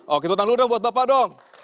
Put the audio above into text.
oke tutang duduk buat bapak dong